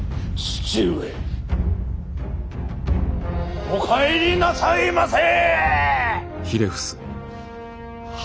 父上お帰りなさいませ。